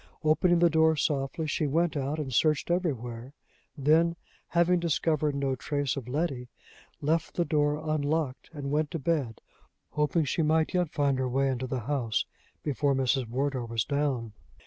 Opening the door softly, she went out and searched everywhere; then, having discovered no trace of Letty, left the door unlocked, and went to bed, hoping she might yet find her way into the house before Mrs. Wardour was down.